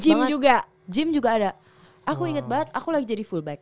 gym juga gym juga ada aku inget banget aku lagi jadi fullback